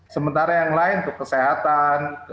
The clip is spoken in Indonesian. sementara yang lain untuk kesehatan